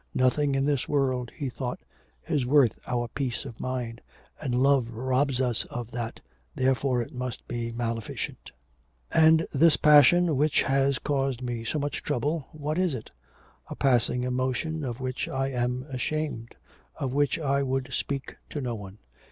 Nothing in this world, he thought, is worth our peace of mind, and love robs us of that, therefore it must be maleficent. 'And this passion which has caused me so much trouble, what is it? A passing emotion of which I am ashamed, of which I would speak to no one.